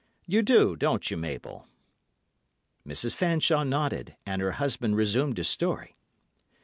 You do, don't you, Mabel?" Mrs. Fanshawe nodded, and her husband resumed his story.